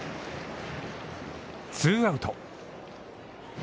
ツーアウト。